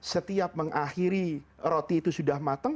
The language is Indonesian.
setiap mengakhiri roti itu sudah matang